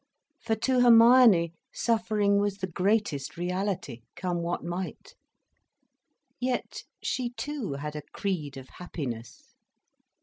For to Hermione suffering was the greatest reality, come what might. Yet she too had a creed of happiness.